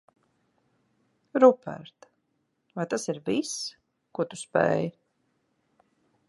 Rupert, vai tas ir viss, ko tu spēj?